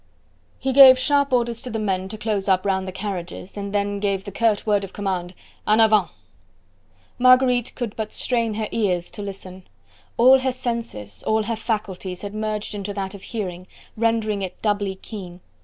He gave sharp orders to the men to close up round the carriages, and then gave the curt word of command: "En avant!" Marguerite could but strain her ears to listen. All her senses, all her faculties had merged into that of hearing, rendering it doubly keen.